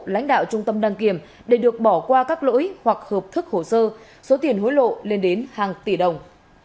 lãnh đạo trung tâm đăng kiểm để được bỏ qua các lỗi hoặc hợp thức hồ sơ số tiền hối lộ lên đến hàng tỷ đồng